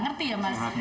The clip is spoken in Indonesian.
ngerti ya mas